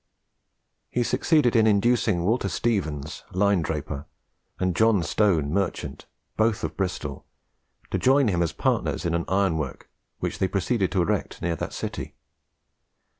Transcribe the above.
He succeeded in inducing Walter Stevens, linendraper, and John Stone, merchant, both of Bristol, to join him as partners in an ironwork, which they proceeded to erect near that city.